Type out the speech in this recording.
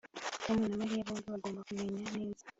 Tom na Mariya bombi bagomba kumenya neza